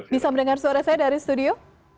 bisa mendengar suara saya dari studio